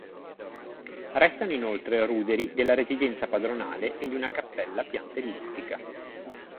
Restano inoltre ruderi della residenza padronale e di una cappella a pianta ellittica.